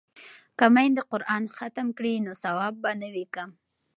که میندې قران ختم کړي نو ثواب به نه وي کم.